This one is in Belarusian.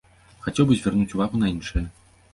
Хацеў бы звярнуць увагу на іншае.